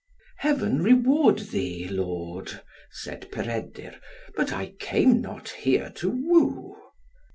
"Heaven reward thee, lord," said Peredur, "but I came not here to woo."